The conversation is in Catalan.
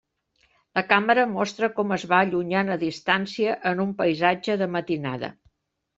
La càmera mostra com es va allunyant a distància en un paisatge de matinada.